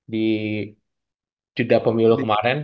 di juda pemilu kemarin